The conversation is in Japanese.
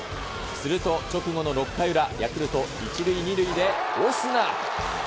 すると、直後の６回裏、ヤクルト、１塁２塁でオスナ。